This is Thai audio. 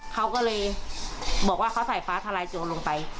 เขาก็เลยบอกว่าเขาใส่ฟ้าทลายโจรลงไป